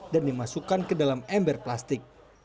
dan dimasukkan ke dalam ember plastik